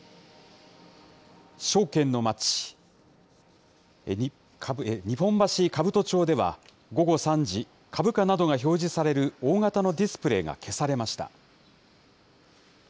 証券の街、日本橋兜町では午後３時、株価などが表示される大型のディスプレーが消されました。